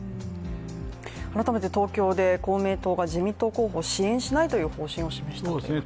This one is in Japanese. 改めて東京で公明党が自民党候補を支援しないという方針を示したわけですが。